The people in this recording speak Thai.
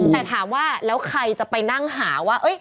แต่ถามว่าแล้วใครจะไปนั่งหาว่า